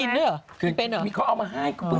เธอกินด้วยเหรอไม่เป็นเหรอ